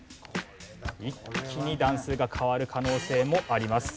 一気に段数が変わる可能性もあります。